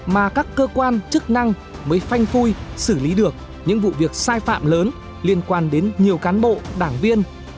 mà các cơ quan chức năng mới phanh phui xử lý được những vụ việc sai phạm lớn liên quan đến nhiều cán bộ đảng viên